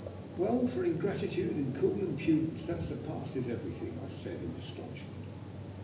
"Well, for ingratitude and cool impudence, that surpasses everything!" I said in astonishment.